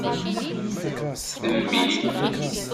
D mmi.